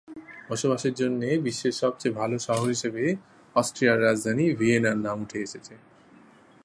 বসবাসের জন্য বিশ্বের সবচেয়ে ভালো শহর হিসেবে অস্ট্রিয়ার রাজধানী ভিয়েনার নাম উঠে এসেছে।